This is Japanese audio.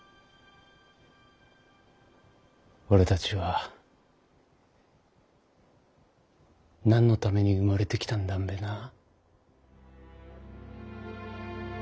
俺たちは何のために生まれてきたんだんべなぁ？